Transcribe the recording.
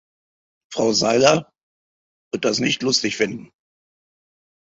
Frau Seiler wird das nicht lustig finden.